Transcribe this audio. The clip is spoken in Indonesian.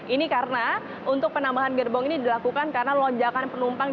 ini karena untuk penambahan gerbong ini dilakukan karena lonjakan penumpang